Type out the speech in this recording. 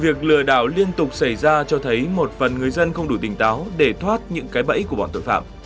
việc lừa đảo liên tục xảy ra cho thấy một phần người dân không đủ tỉnh táo để thoát những cái bẫy của bọn tội phạm